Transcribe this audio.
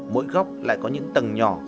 mỗi góc lại có những tầng nhỏ